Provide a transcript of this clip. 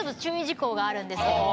があるんですけれども。